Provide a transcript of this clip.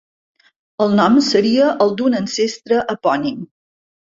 El nom seria el d'un ancestre epònim.